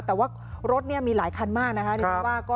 แต่ว่ารถมีหลายคันมากนะครับ